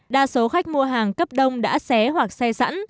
đa số khách mua hàng cấp đông đã xé hoặc xe sẵn